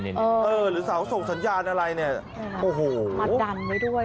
หรือเสาส่งสัญญาณอะไรเนี่ยโอ้โหมาดันไว้ด้วย